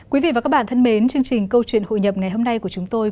quý vị và các bạn thân mến chương trình câu chuyện hội nhập ngày hôm nay của chúng tôi